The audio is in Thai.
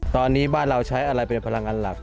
ตอนนี้บ้านเราใช้อะไรเป็นพลังงานหลัก